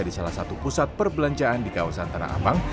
di salah satu pusat perbelanjaan di kawasan tanah abang